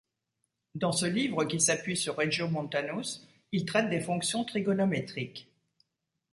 Dans ce livre qui s'appuie sur Regiomontanus, il traite des fonctions trigonométriques.